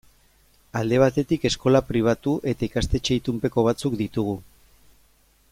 Alde batetik, eskola pribatu eta ikastetxe itunpeko batzuk ditugu.